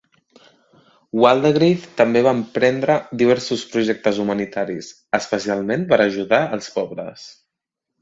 Waldegrave també va emprendre diversos projectes humanitaris, especialment per ajudar els pobres.